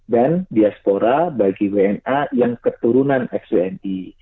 dan diaspora bagi wna yang keturunan xwni